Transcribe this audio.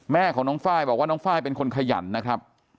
แม่ของน้องไฟล์บอกว่าน้องไฟล์เป็นคนขยันนะครับ